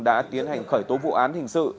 đã tiến hành khởi tố vụ án hình sự